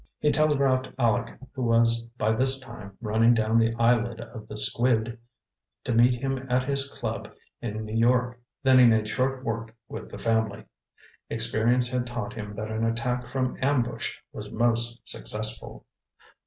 He telegraphed Aleck, who was by this time running down the eyelid of the squid, to meet him at his club in New York. Then he made short work with the family. Experience had taught him that an attack from ambush was most successful.